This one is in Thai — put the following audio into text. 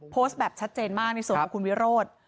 โพสต์แบบชัดเจนมากในส่วนของคุณวิโรธ